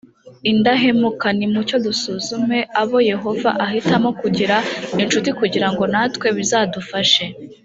indahemuka nimucyo dusuzume abo yehova ahitamo kugira inshuti kugira ngo natwe bizadufashe